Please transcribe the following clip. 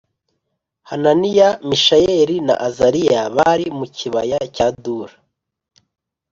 Hananiya Mishayeli na Azariya bari mu kibaya cya Dura